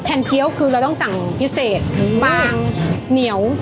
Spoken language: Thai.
เคี้ยวคือเราต้องสั่งพิเศษบางเหนียว